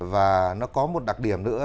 và nó có một đặc điểm nữa là